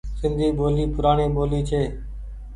سندي ٻولي پوڙآڻي ٻولي ڇي۔